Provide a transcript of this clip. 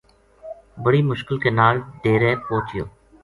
بڑی مشکل کے نال ڈیرے پوہچیو